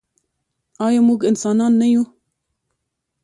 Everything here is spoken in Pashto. آیا موږ انسانان نه یو؟